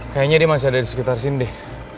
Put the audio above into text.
kayaknya dia masih ada di sekitar sini